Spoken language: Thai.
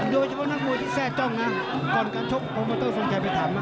ดูเฉพาะนักมวยที่แทร่จ้องน่ะก่อนการชบโปรโมเตอร์ส่วนใครไปถาม